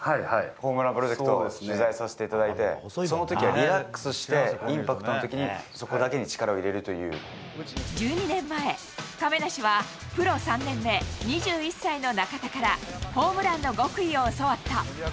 ホームランプロジェクト取材させていただいて、そのときはリラックスして、インパクトのときに、１２年前、亀梨はプロ３年目、２１歳の中田から、ホームランの極意を教わった。